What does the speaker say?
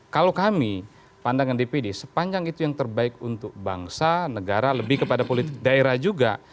kalau kami pandangan dpd sepanjang itu yang terbaik untuk bangsa negara lebih kepada politik daerah juga